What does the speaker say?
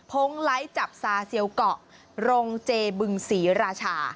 งไลค์จับซาเซียวเกาะโรงเจบึงศรีราชา